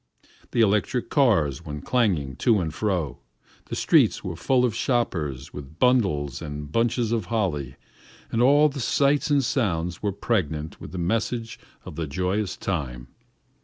The electric cars went clanging to and fro, the streets were full of shoppers with bundles and bunches of holly, and all the sights and sounds were pregnant with the message of the joyous time.